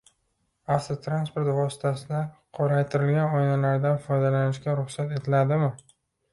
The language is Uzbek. Avtotransport vositasida qoraytirilgan oynalardan foydalanishga ruxsat etiladimi?